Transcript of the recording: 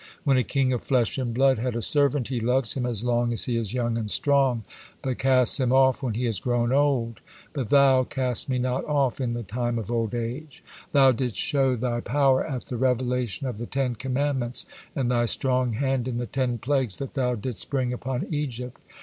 When a king of flesh and blood had a servant, he loves him as long as he is young and strong, but casts him off when he is grown old. But Thou, 'cast me not off in the time of old age.' Thou didst show Thy power at the revelation of the Ten Commandments, and thy strong hand in the ten plagues that Thou didst bring upon Egypt.